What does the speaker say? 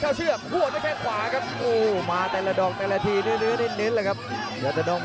วางได้แค่ขวาอีกทีกรับคร่าวดง